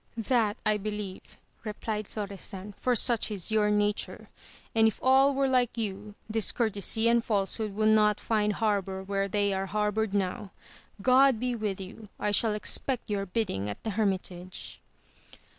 That I believe, replied Florestan, for such is your nature, and if all were like you dis courtesy and falsehood would not find harbour where AMADIS OF GAUL. 11 they are harboured now. God be with you ! I shall expect your bidding at the hermitage.